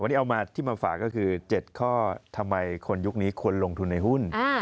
วันนี้เอามาที่มาฝากก็คือ๗ข้อทำไมคนยุคนี้ควรลงทุนในหุ้น